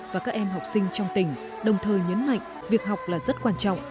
và các em học sinh trong tỉnh đồng thời nhấn mạnh việc học là rất quan trọng